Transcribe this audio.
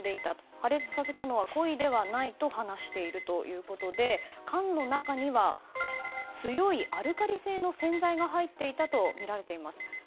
破裂させたのは故意ではないと話しているということで缶の中には強いアルカリ性の洗剤が入っていたとみられています。